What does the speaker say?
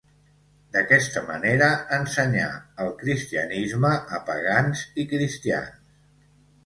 D'aquesta manera, ensenyà el cristianisme a pagans i cristians.